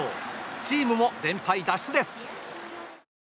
チームも連敗脱出です。